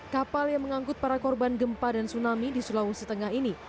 kapal yang mengangkut para korban gempa dan tsunami di sulawesi tengah ini